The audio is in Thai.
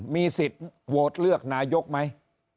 มีสิทธิ์โหวตเลือกนายกไหม